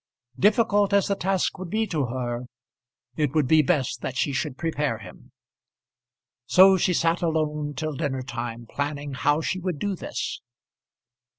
Difficult as the task would be to her, it would be best that she should prepare him. So she sat alone till dinner time planning how she would do this.